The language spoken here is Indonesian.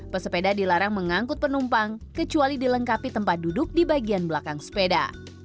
pesepeda dilarang mengangkut penumpang kecuali dilengkapi tempat duduk di bagian belakang sepeda